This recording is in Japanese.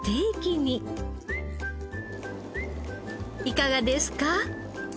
いかがですか？